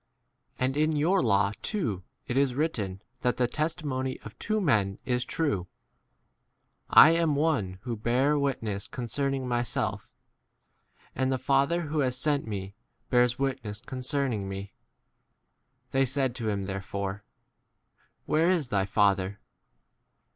And in your law too it is written that the 18 testimony of two men is true. I * am [one] who bear witness con cerning myself, and the Father who has sent me bears witness 19 concerning me. They said to him therefore, Where is thy Father